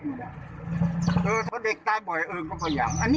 เออเพราะเด็กตายบ่อยก็ประหย่า